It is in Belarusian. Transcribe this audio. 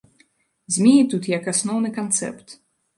Змеі тут як асноўны канцэпт.